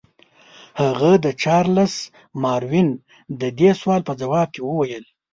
هغه د چارلس ماروین د دې سوال په ځواب کې وویل.